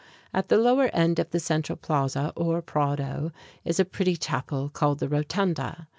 At the lower end of the central plaza, or Prado (prah´do) is a pretty chapel called the "Rotunda."